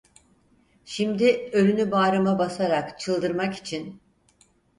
Şimdi ölünü bağrıma basarak çıldırmak için…